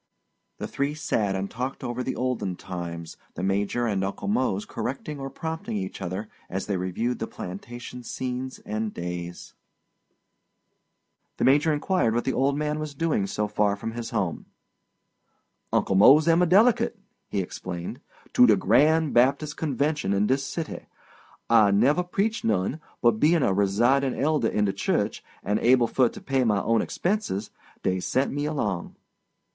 The three sat and talked over the olden times, the Major and Uncle Mose correcting or prompting each other as they reviewed the plantation scenes and days. The Major inquired what the old man was doing so far from his home. "Uncle Mose am a delicate," he explained, "to de grand Baptis' convention in dis city. I never preached none, but bein' a residin' elder in de church, and able fur to pay my own expenses, dey sent me along."